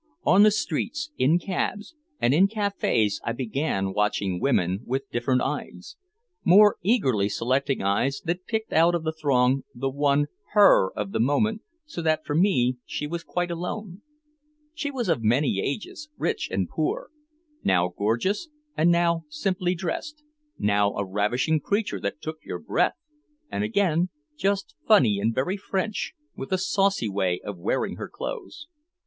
On the streets, in cabs, and in cafés I began watching women with different eyes, more eagerly selecting eyes that picked out of the throng the one her of the moment so that for me she was quite alone. She was alone for a thousand reasons, different ones in every case. She was of many ages, rich and poor, now gorgeous and now simply dressed, now a ravishing creature that took your breath and again just funny and very French with a saucy way of wearing her clothes.